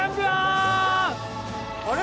あれ？